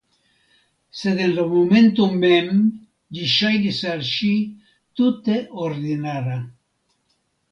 Sed en la momento mem, ĝi ŝajnis al ŝi tute ordinara.